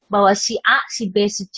bahwa si a si b si c